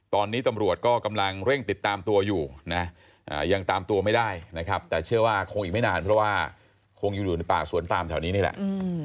ตอนนี้ตำรวจก็กำลังเร่งติดตามตัวอยู่นะยังตามตัวไม่ได้นะครับแต่เชื่อว่าคงอีกไม่นานเพราะว่าคงยังอยู่ในป่าสวนปามแถวนี้นี่แหละ